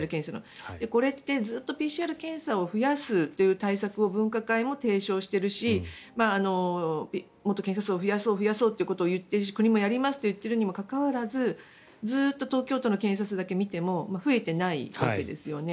これってずっとＰＣＲ検査を増やすという対策を分科会も提唱しているしもっと検査数を増やそう、増やそうと言っているし国もやるにもかかわらずずっと東京都の検査数だけ見ても増えてないわけですよね。